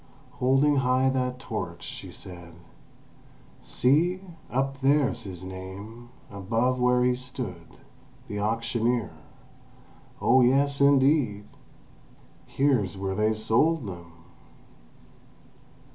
Holding high that torch, she said: "See! Up there's his name, above where he stood. The auctioneer. Oh yes, indeed! Here's where they sold them!"